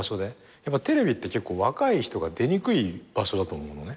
やっぱテレビって結構若い人が出にくい場所だと思うのね。